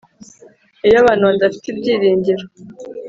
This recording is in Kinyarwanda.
Iyo abantu badafite ibyiringiro,